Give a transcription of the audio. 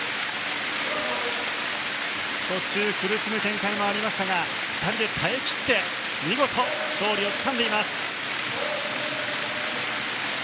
途中、苦しむ展開もありましたが２人で耐えきって見事、勝利をつかんでいます。